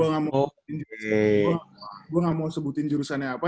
gue gak mau sebutin jurusannya apa